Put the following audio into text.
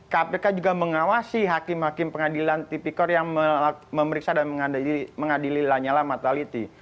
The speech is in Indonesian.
kpk juga mengawasi hakim hakim pengadilan tipikor yang memeriksa dan mengadili lanyala mataliti